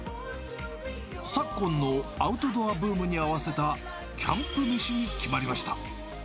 昨今のアウトドアブームに合わせた、キャンプ飯に決まりました。